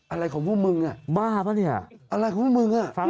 อะไรของพวกมึงทุกผู้ชม